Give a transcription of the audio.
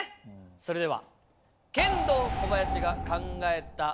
それでは。